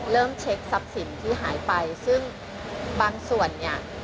เช็คทรัพย์สินที่หายไปซึ่งบางส่วนเนี่ย